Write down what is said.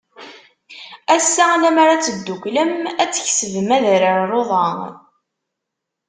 Assa lemmer ad tedduklem, ad tkesbem adrar luḍa.